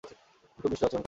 খুব নিষ্ঠুর আচরণ করছো।